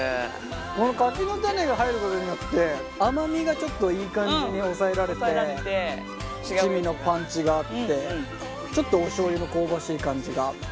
この柿の種が入ることによって甘みがちょっといい感じに抑えられて七味のパンチがあってちょっとおしょうゆの香ばしい感じが。